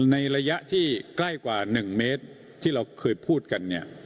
ในระยะที่ใกล้กว่า๑เมตรที่เราเคยพูดกันเนี่ย